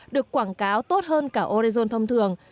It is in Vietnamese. được quảng cáo tốt hơn cả orezon thông thường